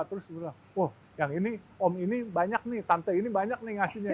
terus bilang wah yang ini om ini banyak nih tante ini banyak nih ngasihnya